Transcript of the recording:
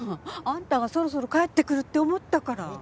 あんたがそろそろ帰ってくるって思ったから。